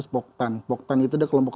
seratus poktan poktan itu adalah kelompok